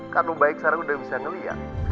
kan om baik sekarang udah bisa ngeliat